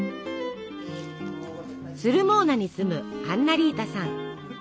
スルモーナに住むアンナリータさん。